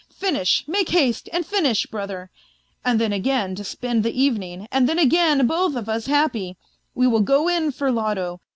Finish, make haste and finish, brother. And then again to spend the evening, and then again both of us happy; we will go in for loto.